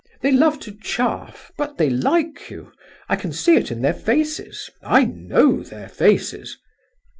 They love to chaff, but they like you. I can see it in their faces—I know their faces."